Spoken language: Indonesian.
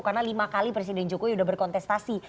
karena lima kali presiden jokowi sudah berkontestasi